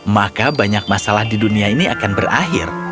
maka banyak masalah di dunia ini akan berakhir